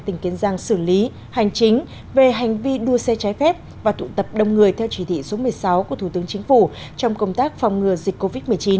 tỉnh kiên giang xử lý hành chính về hành vi đua xe trái phép và tụ tập đông người theo chỉ thị số một mươi sáu của thủ tướng chính phủ trong công tác phòng ngừa dịch covid một mươi chín